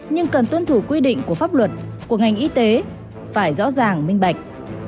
nhưng cần tuân thủ quy định của pháp luật của ngành y tế phải rõ ràng minh bạch